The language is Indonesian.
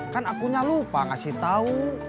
kan akunya lupa ngasih tahu